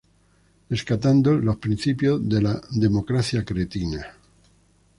Rescatando los principio de la Democracia Cristiana.